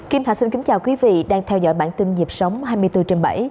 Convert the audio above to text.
kim thạch xin kính chào quý vị đang theo dõi bản tin nhịp sống hai mươi bốn trên bảy